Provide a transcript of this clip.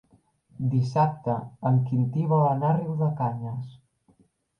Dissabte en Quintí vol anar a Riudecanyes.